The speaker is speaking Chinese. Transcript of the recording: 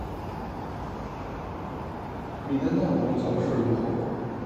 允丹藏卜早逝无后。